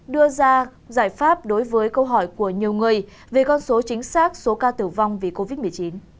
đưa ra giải pháp đối với câu hỏi của nhiều người về con số chính xác số ca tử vong vì covid một mươi chín